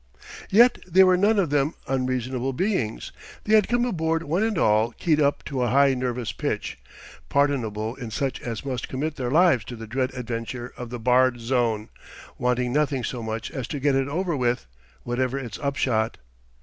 Yet they were none of them unreasonable beings. They had come aboard one and all keyed up to a high nervous pitch, pardonable in such as must commit their lives to the dread adventure of the barred zone, wanting nothing so much as to get it over with, whatever its upshot.